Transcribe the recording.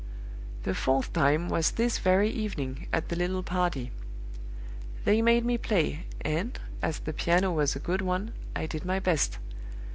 The fourth time was this very evening, at the little party. They made me play; and, as the piano was a good one, I did my best.